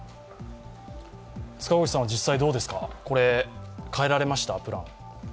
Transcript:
塚越さんは実際どうですか、プランを変えられました？